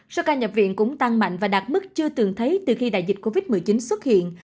số ca nhập viện cũng tăng mạnh và đạt mức chưa từng thấy từ khi đại dịch covid một mươi chín xuất hiện